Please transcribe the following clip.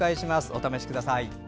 お試しください。